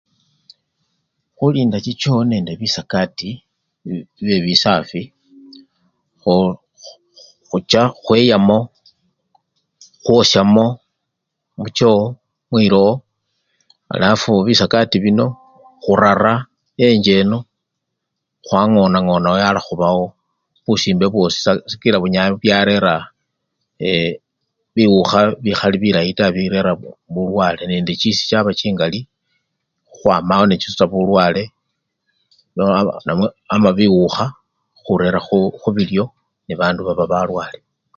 Khulinda chichoowo nende bisakati bi! bibe bisafi, kho khu! khu! khucha khweyamo, khwoshamo muchoo mwilowo alafu bisakati bino khurara enjjeno khwangonangonawo yala khubawo busimbe bwosi sikila bu! byarera ee! biwukha bikhali bilayi ta birera bulwale nende chiisii chaba chingali khukhwamawo nechisuta bulwale na! namwe! ama biwukha khurere khu khu khubilyo nebandu baba balwale.